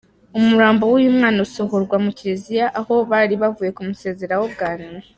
Umurambo w'uyu mwana usohorwa mu kiriziya aho bari bavuye kumusezeraho bwa nyuma.